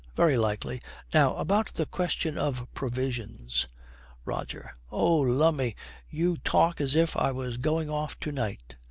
very likely. Now about the question of provisions ' ROGER. 'Oh, lummy, you talk as if I was going off to night!